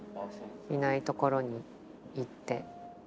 いないところに行って。